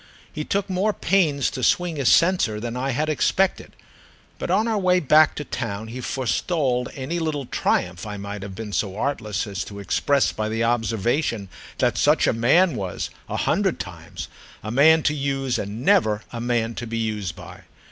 He took more pains to swing his censer than I had expected, but on our way back to town he forestalled any little triumph I might have been so artless as to express by the observation that such a man was—a hundred times!—a man to use and never a man to be used by.